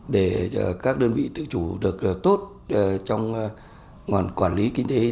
để các đơn vị tự chủ được tốt trong quản lý kinh tế y tế thì